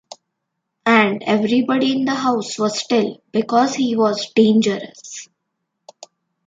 And everybody in the house was still, because he was dangerous.